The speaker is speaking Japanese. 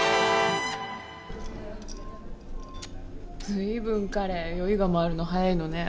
ずいぶん彼酔いが回るの早いのね。